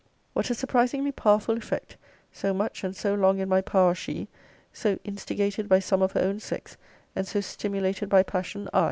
What a surprisingly powerful effect, so much and so long in my power she! so instigated by some of her own sex, and so stimulated by passion I!